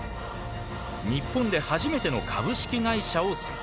日本で初めての株式会社を設立。